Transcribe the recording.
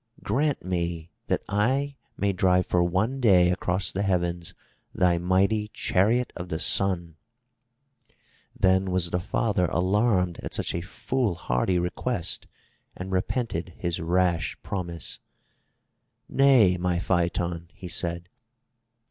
"Grant me that I may drive for one day across the heavens thy mighty chariot of the Sun." Then was the father alarmed at such a foolhardy request and repented his rash promise. "Nay, my Phaeton," he said.